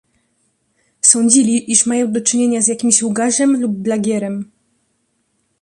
"Sądzili, iż mają do czynienia z jakimś łgarzem lub blagierem!"